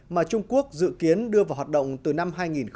mà trung quốc dự kiến đưa vào hoạt động từ năm hai nghìn hai mươi